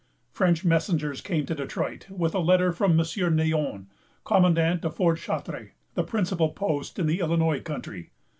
French messengers came to Detroit with a letter from M. Neyon, commandant of Fort Chartres, the principal post in the Illinois country.